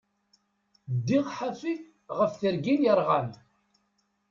Ddiɣ ḥafi ɣef tergin yerɣan.